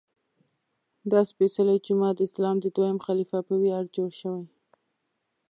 دا سپېڅلی جومات د اسلام د دویم خلیفه په ویاړ جوړ شوی.